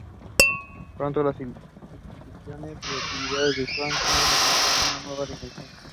Pronto las instituciones y actividades de Jabad Lubavitch alcanzaron una nueva dimensión.